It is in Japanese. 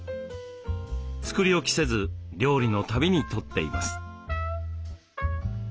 作り置きせず料理のたびにとっています。